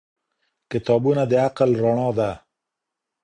کتابونه د عقل رڼا ده.